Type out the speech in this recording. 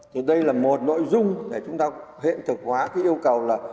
thì đây là một nội dung để chúng ta hiện thực hóa cái yêu cầu là